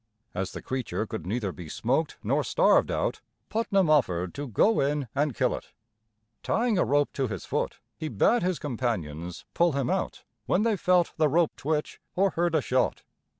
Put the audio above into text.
As the creature could neither be smoked nor starved out, Putnam offered to go in and kill it. Tying a rope to his foot, he bade his companions pull him out when they felt the rope twitch, or heard a shot.